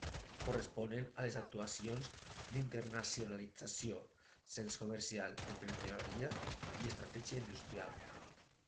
Corresponen a les actuacions d'internacionalització, cens comercial, emprenedoria i estratègia industrial.